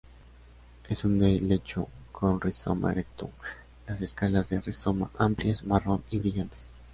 Es un helecho con rizoma erecto, las escalas de rizoma amplias, marrón y brillantes.